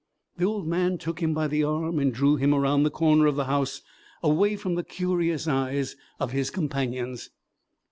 The old man took him by the arm and drew him around the corner of the house, away from the curious eyes of his companions.